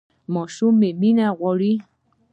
ماشوم مینه غواړي